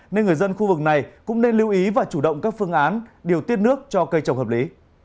nên người dân khu vực này cũng nên lưu ý và chủ động các phương án điều tiết nước cho cây trồng hợp lý